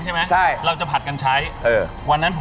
หน่อยสำหรับเข้าเลยครับ